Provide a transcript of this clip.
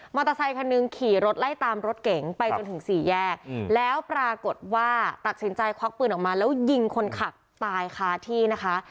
อเตอร์ไซคันหนึ่งขี่รถไล่ตามรถเก๋งไปจนถึงสี่แยกแล้วปรากฏว่าตัดสินใจควักปืนออกมาแล้วยิงคนขับตายคาที่นะคะ